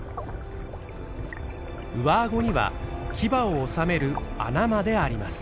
上あごには牙を収める穴まであります。